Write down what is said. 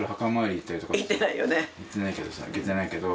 行ってないけどさ行けてないけど。